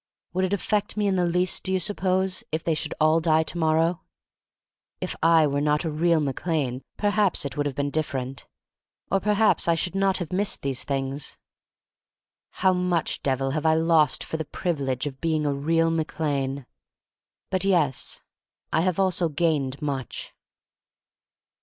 Would it affect me in the least — do you sup pose — if they should all die to morrow? If I were not a real Mac Lane perhaps it would have been different, or per haps I should not have missed these things. How much, Devil, have I lost for the privilege of being a real Mac Lane? But yes, I have also gained much.